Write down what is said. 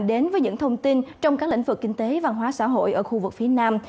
đến với những thông tin trong các lĩnh vực kinh tế văn hóa xã hội ở khu vực phía nam